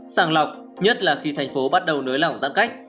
sàng lọc nhất là khi thành phố bắt đầu nới lỏng giãn cách